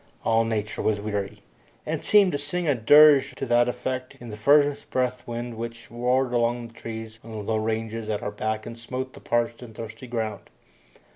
All nature was weary, and seemed to sing a dirge to that effect in the furnace breath wind which roared among the trees on the low ranges at our back and smote the parched and thirsty ground.